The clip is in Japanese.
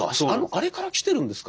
あれからきてるんですか。